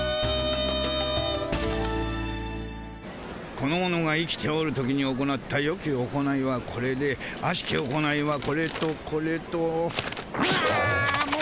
この者が生きておる時に行ったよき行いはこれであしき行いはこれとこれとあもうイヤじゃ。